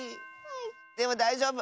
でもだいじょうぶ！